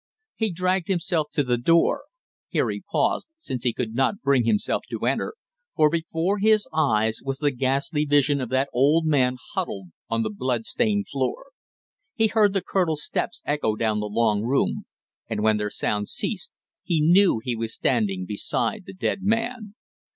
He dragged himself to the door. Here he paused, since he could not bring himself to enter, for before his eyes was the ghastly vision of that old man huddled on the blood stained floor. He heard the colonel's steps echo down the long room, and when their sound ceased he knew he was standing beside the dead man.